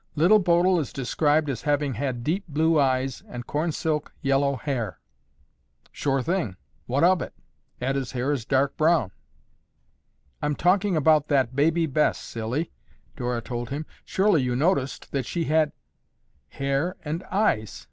Little Bodil is described as having had deep blue eyes and cornsilk yellow hair." "Sure thing, what of it? Etta's hair is dark brown." "I'm talking about that Baby Bess, silly!" Dora told him. "Surely you noticed that she had—" "Hair and eyes?